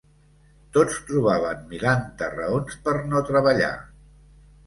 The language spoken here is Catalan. Tots trobaven milanta raons per no treballar.